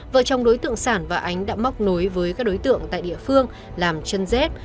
vợ chồng đối tượng sản và ánh đã móc nối với các đối tượng tại địa phương làm chân dép